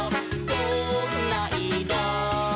「どんないろ？」